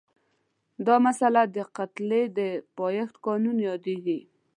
دا مسئله د کتلې د پایښت قانون یادیږي.